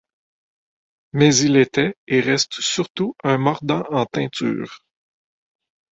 Mais il était et reste surtout un mordant en teinture.